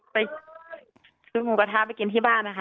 ไปซื้อหมูกระทะไปกินที่บ้านนะคะ